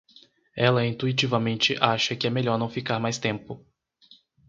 Ela intuitivamente acha que é melhor não ficar mais tempo.